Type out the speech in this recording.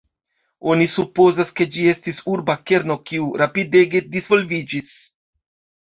Oni supozas, ke ĝi estis urba kerno kiu rapidege disvolviĝis.